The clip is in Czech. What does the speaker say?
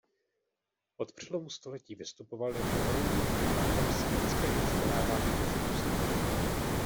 Od přelomu století vystupoval jako horlivý propagátor světského vzdělávání mezi muslimy.